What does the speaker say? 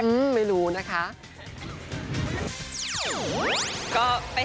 พรีเซงเตอร์ที่นั่นค่ะก็จะใช้